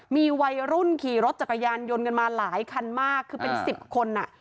มีวัยรุ่นขี่รถจักรยานยนต์กันมาหลายคันมากคือเป็นสิบคนอ่ะ